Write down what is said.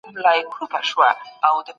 يوازې په عاطفي اړيکو تکيه مه کوئ.